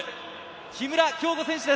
木村匡吾選手です。